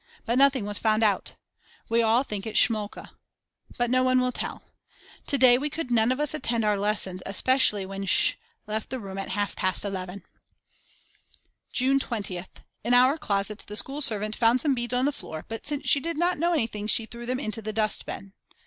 But nothing was found out. We all think it is Schmolka. But no one will tell. To day we could none of us attend to our lessons especially when Sch. left the room at half past 11. June 20th. In our closet the school servant found some beads on the floor but since she did not know anything she threw them into the dustbin.